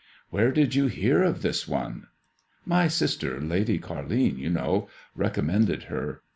Where did you hear of this one ?"" My sister — Lady Carline, you know — recommended her.